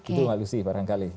itu halus sih barangkali